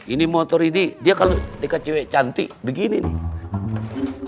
ini motor ini dia kalau dkcw cantik begini nih